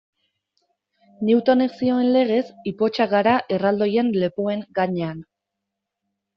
Newtonek zioen legez, ipotxak gara erraldoien lepoen gainean.